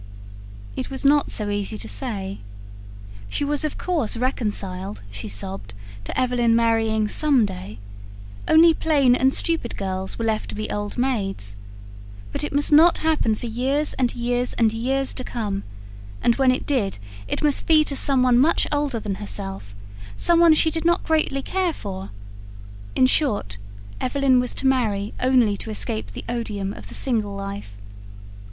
It was not so easy to say. She was of course reconciled, she sobbed, to Evelyn marrying some day: only plain and stupid girls were left to be old maids: but it must not happen for years and years and years to come, and when it did, it must be to some one much older than herself, some one she did not greatly care for: in short, Evelyn was to marry only to escape the odium of the single life.